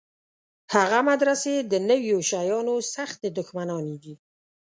هغه مدرسې د نویو شیانو سختې دښمنانې دي.